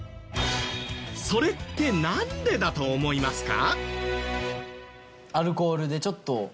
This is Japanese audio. それってなんでだと思いますか？